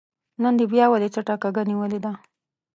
نن دې بيا ولې څټه کږه نيولې ده